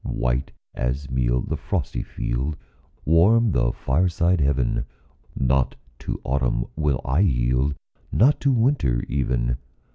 White as meal the frosty field Warm the fireside haven Not to autumn will I yield, Not to winter even!